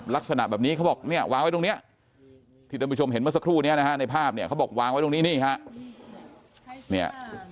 ลักษณะแบบนี้เขาบอกวางไว้ตรงนี้ที่ท่านผู้ชมเห็นเมื่อสักครู่นี้ในภาพเขาบอกวางไว้ตรงนี้